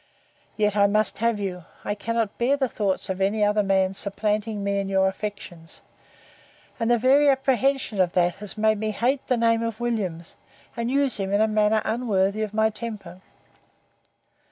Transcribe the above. —Yet I must have you; I cannot bear the thoughts of any other man supplanting me in your affections: and the very apprehension of that has made me hate the name of Williams, and use him in a manner unworthy of my temper.